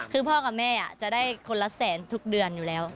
คือพ่อกับแม่จะได้คนละแสนทุกเดือนอยู่แล้ว